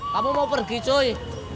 kamu mau pergi coy